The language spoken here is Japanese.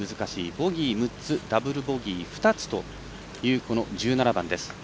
ボギー６つダブルボギー、２つというこの１７番です。